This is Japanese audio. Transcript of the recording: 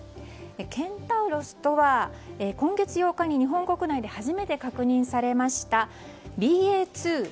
ケンタウロスとは今月８日に日本国内で初めて確認されましたＢＡ．２．７５。